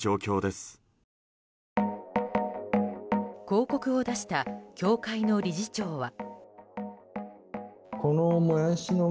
広告を出した協会の理事長は。